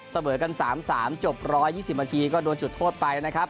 เสมอกัน๓๓จบ๑๒๐นาทีก็โดนจุดโทษไปนะครับ